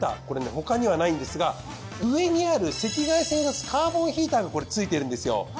これね他にはないんですが上にある赤外線を出すカーボンヒーターが付いてるんですよ。